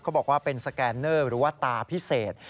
บอกว่าเป็นสแกนเนอร์หรือว่าตาพิเศษ